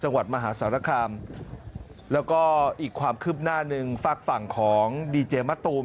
จังหวัดมหาศรษฐรรคามและก็อีกความคื้มหน้าหนึ่งฟาดฝั่งของดีเจเมซ์มัตตูม